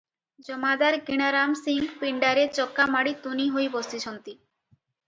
ଜମାଦାର କିଣାରାମ ସିଂ ପିଣ୍ଡାରେ ଚକାମାଡ଼ି ତୁନି ହୋଇ ବସିଛନ୍ତି ।